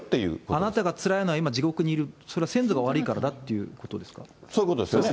あなたがつらいのは今地獄にいる、それは先祖が悪いからだとそういうことですよね。